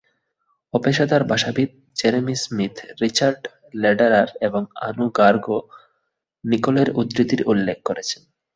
অপেশাদার ভাষাবিদ Jeremy Smith, Richard Lederer এবং আনু গার্গও নিকোলের উদ্ধৃতির উল্লেখ করেছেন।